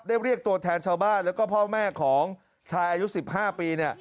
เรียกตัวแทนชาวบ้านแล้วก็พ่อแม่ของชายอายุ๑๕ปี